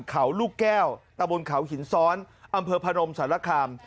เขาลูกแก้วตะบนเขาหินซ้อนอำเภอพนมสารคาม